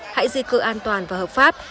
hãy di cư an toàn và hợp pháp